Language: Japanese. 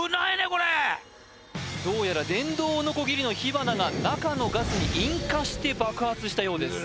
これどうやら電動ノコギリの火花が中のガスに引火して爆発したようです